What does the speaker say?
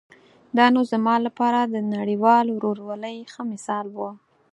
دا نو زما لپاره د نړیوال ورورولۍ ښه مثال و.